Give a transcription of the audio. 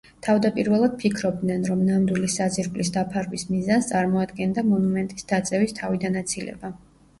თავდაპირველად ფიქრობდნენ, რომ ნამდვილი საძირკვლის დაფარვის მიზანს წარმოადგენდა მონუმენტის დაწევის თავიდან აცილება.